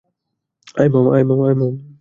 আয়, মামা।